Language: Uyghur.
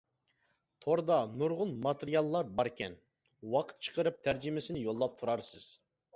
توردا نۇرغۇن ماتېرىياللار باركەن، ۋاقىت چىقىرىپ تەرجىمىسىنى يوللاپ تۇرارسىز.